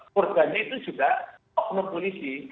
murbanya itu juga oknopulisi